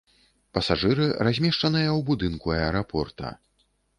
Пасажыры размешчаныя ў будынку аэрапорта.